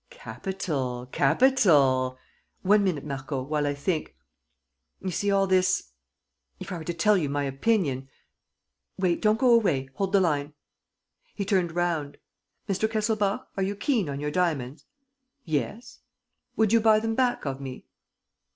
... Capital, capital! ... One minute, Marco, while I think. ... You see, all this. ... If I were to tell you my opinion. ... Wait, don't go away ... hold the line. ..." He turned round. "Mr. Kesselbach, are you keen on your diamonds?" "Yes." "Would you buy them back of me?"